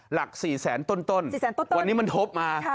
หลัก๔แสนต้นวันนี้มันทบมา